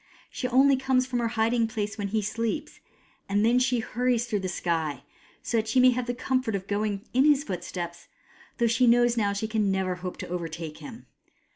She only comes from her hiding place when he sleeps ; and then she hurries through the sky, so that she may have the comfort of going in his footsteps, though she knows now that she can never hope to overtake him.